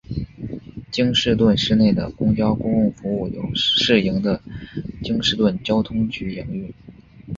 京士顿市内的公共交通服务由市营的京士顿交通局营运。